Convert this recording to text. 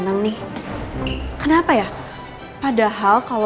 mungkin didn't karena dahulu